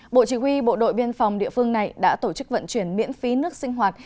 bộ chỉ huy bộ đội biên phòng địa phương này đã tổ chức vận chuyển miễn phí nước sinh hoạt